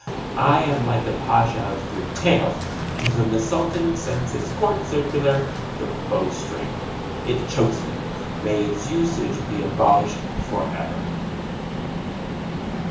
I am like the Pasha of three tails, to whom the Sultan sends HIS COURT CIRCULAR, the bowstring. It CHOKES me. May its usage be abolished for ever.